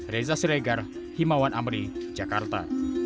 reza siregar himawan amri jakarta